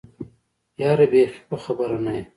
يره بېخي په خبره نه يې.